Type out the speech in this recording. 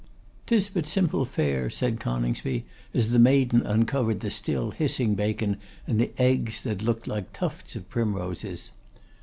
''Tis but simple fare,' said Coningsby, as the maiden uncovered the still hissing bacon and the eggs, that looked like tufts of primroses.